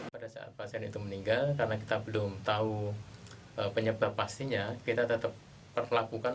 pada saat pasien itu meninggal karena kita belum tahu penyebab pastinya kita tetap lakukan